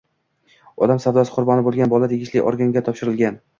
Odam savdosi qurboni bo‘lgan bola tegishli organga topshirilgan